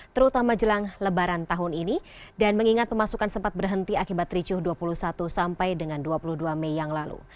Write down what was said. terutama jelang lebaran tahun ini dan mengingat pemasukan sempat berhenti akibat ricuh dua puluh satu sampai dengan dua puluh dua mei yang lalu